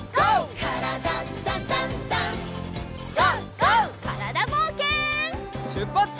からだぼうけん。